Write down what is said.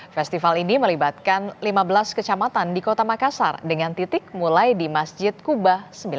festival ini melibatkan lima belas kecamatan di kota makassar dengan titik mulai di masjid kuba sembilan